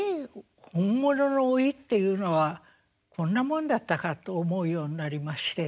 本物の老いっていうのはこんなもんだったかと思うようになりまして。